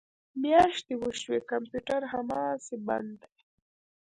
میاشتې وشوې کمپیوټر هماسې بند دی